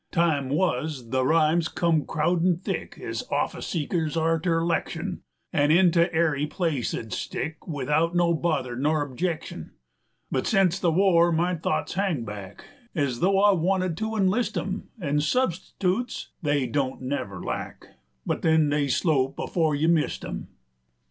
40 Time wuz, the rhymes come crowdin' thick Ez office seekers arter 'lection, An' into ary place 'ould stick Without no bother nor objection; But sence the war my thoughts hang back 45 Ez though I wanted to enlist 'em, An' subs'tutes they don't never lack, But then they'll slope afore you've mist 'em.